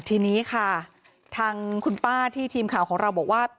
ทีนี้ค่ะทางคุณป้าที่ทีมข่าวของเราบอกว่า